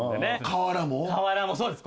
瓦もそうです